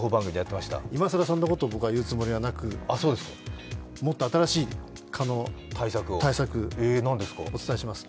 今さらそんなことを僕は言うつもりはなくもっと新しい蚊の対策をお伝えします。